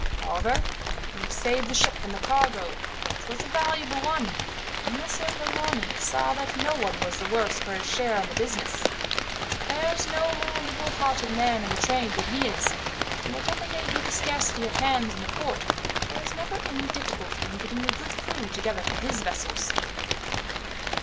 However, we saved the ship and the cargo, which was a valuable one, and Messer Polani saw that no one was the worse for his share in the business. There's no more liberal hearted man in the trade than he is, and whatever may be the scarcity of hands in the port, there is never any difficulty in getting a good crew together for his vessels.